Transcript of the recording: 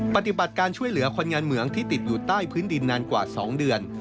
ปฏิบัติการช่วยเหลือคนงานเหมืองที่ติดอยู่ใต้พื้นดินนานกว่า๒เดือน